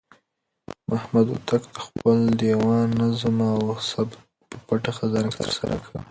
محمد هوتک د خپل دېوان نظم او ثبت په پټه خزانه کې ترسره کړ.